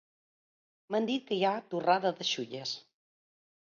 M’han dit que hi ha torrada de xulles.